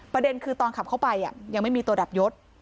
ประเด็นคือตอนขับเข้าไปยังไม่มีตัวดับยศ